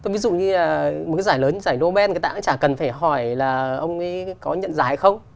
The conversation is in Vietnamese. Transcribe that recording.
ví dụ như là một cái giải lớn giải nobel người ta cũng chả cần phải hỏi là ông ấy có nhận giải hay không